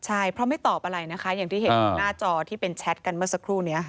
ใช่เพราะไม่ตอบอะไรนะคะอย่างที่เห็นหน้าจอที่เป็นแชทกันเมื่อสักครู่นี้ค่ะ